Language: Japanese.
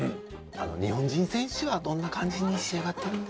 日本人選手はどんな感じに仕上がってるんですかね？